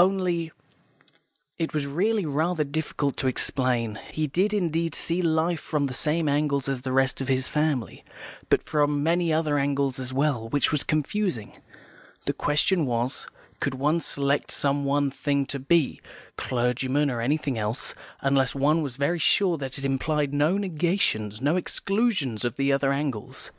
Only " It was really rather difficult to explain. He did indeed see life from the same angle as the rest of his family, but from many other angles as well, which was confusing. The question was, could one select some one thing to be, clergyman or anything else, unless one was very sure that it implied no negations, no exclusions of the other angles?